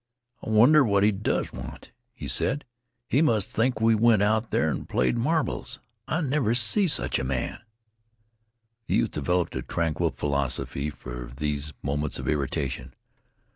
"I wonder what he does want," he said. "He must think we went out there an' played marbles! I never see sech a man!" The youth developed a tranquil philosophy for these moments of irritation.